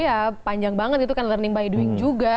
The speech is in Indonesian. ya panjang banget itu kan learning by doing juga